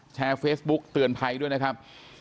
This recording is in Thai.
แชร์เฟซบุ๊กเตือนภัยด้วยนะครับ